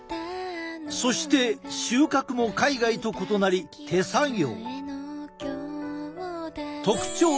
そして収穫も海外と異なり手作業。